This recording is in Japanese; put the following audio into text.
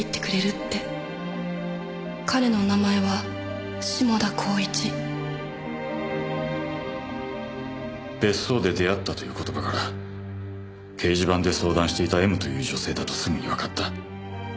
「彼の名前は志茂田光一」別荘で出会ったという言葉から掲示板で相談していた「Ｍ」という女性だとすぐにわかった。